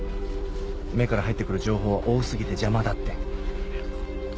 目から入ってくる情報は多過ぎて邪魔だって。